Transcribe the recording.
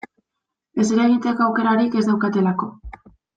Ezer egiteko aukerarik ez daukatelako.